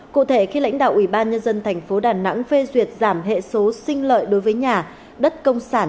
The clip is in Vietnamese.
cụ thể khi lãnh đạo ủy ban nhân dân tp đà nẵng phê duyệt giảm hệ số sinh lợi đối với nhà đất công sản